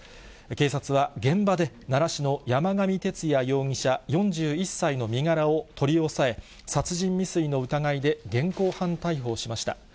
警察は現場で奈良市の山上徹也容疑者４１歳の身柄を取り押さえ、殺人未遂の疑いで、現行犯逮捕しました。